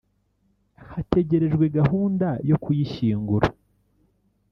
hategerejwe gahunda yo kuyishyingura